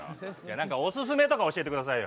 何かおすすめとか教えてくださいよ。